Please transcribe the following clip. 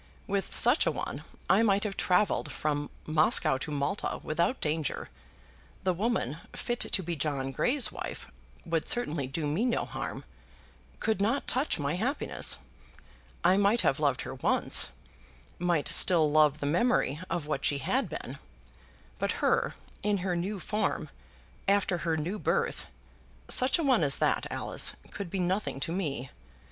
With such a one I might have travelled from Moscow to Malta without danger. The woman fit to be John Grey's wife would certainly do me no harm, could not touch my happiness. I might have loved her once, might still love the memory of what she had been; but her, in her new form, after her new birth, such a one as that, Alice, could be nothing to me.